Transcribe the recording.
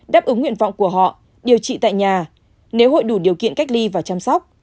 đáp ứng nguyện vọng của họ điều trị tại nhà nếu hội đủ điều kiện cách ly và chăm sóc